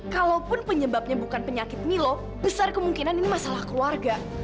kalaupun penyebabnya bukan penyakit milo besar kemungkinan ini masalah keluarga